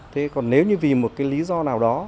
thế còn nếu như vì một cái lý do nào đó